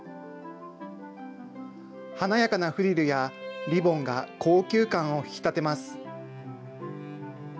華やかなフリルやリボンが高級感を引き立てます。